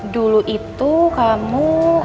dulu itu kamu